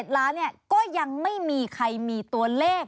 ๗ล้านก็ยังไม่มีใครมีตัวเลข